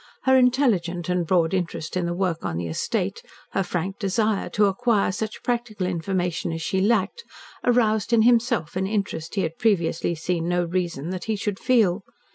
Her intelligent and broad interest in the work on the estate, her frank desire to acquire such practical information as she lacked, aroused in himself an interest he had previously seen no reason that he should feel.